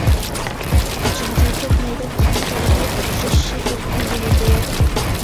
ئۈچىنچى، كۆپ مەيدان ئىككى تەرەپلىك ئۇچرىشىشى ئۆتكۈزۈلىدۇ.